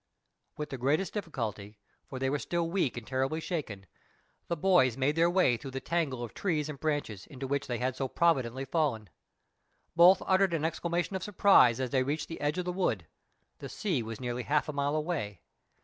With the greatest difficulty, for they were still weak and terribly shaken, the boys made their way through the tangle of trees and branches, into which they had so providentially fallen. Both uttered an exclamation of surprise as they reached the edge of the wood: the sea was nearly half a mile away!